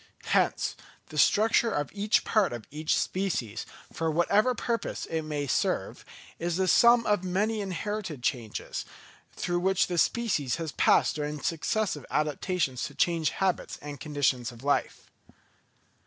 Hence, the structure of each part of each species, for whatever purpose it may serve, is the sum of many inherited changes, through which the species has passed during its successive adaptations to changed habits and conditions of life.